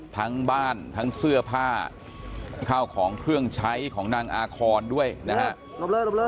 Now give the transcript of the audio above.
ทั้งบ้านทั้งเสื้อผ้าข้าวของเครื่องใช้ของนางอาคอนด้วยนะฮะ